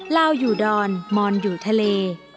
ลาวอยู่ดอนมอนอยู่ทะเล